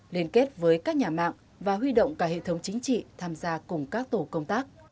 liên kết với các nhà mạng và huy động cả hệ thống chính trị tham gia cùng các tổ công tác